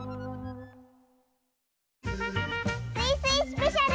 「スイスイスペシャル」！